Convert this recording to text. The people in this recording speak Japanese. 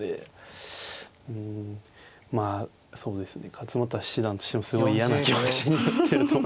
勝又七段としてもすごい嫌な気持ちになってると思いますね。